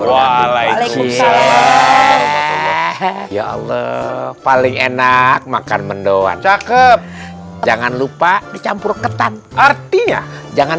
waalaikumsalam ya allah paling enak makan mendoan cakep jangan lupa dicampur ketan artinya jangan